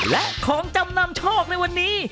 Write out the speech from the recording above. และของจำนำโชคในวันนี้